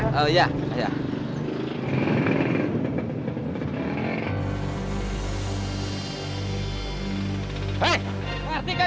pak somad saya mau ngusul sepatu